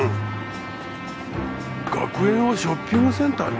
学園をショッピングセンターに？